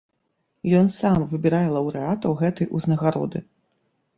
Ён сам выбірае лаўрэатаў гэтай узнагароды.